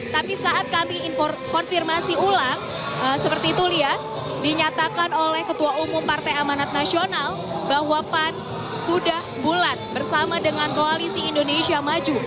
tapi saat kami konfirmasi ulang seperti itu lia dinyatakan oleh ketua umum partai amanat nasional bahwa pan sudah bulat bersama dengan koalisi indonesia maju